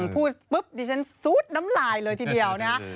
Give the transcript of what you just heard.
พูดปุ๊บดิฉันซูดน้ำลายเลยทีเดียวนะฮะ